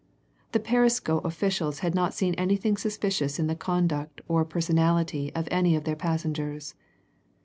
The Perisco officials had not seen anything suspicious in the conduct or personality of any of their passengers.